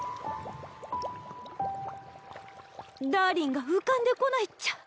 ダーリンが浮かんでこないっちゃ。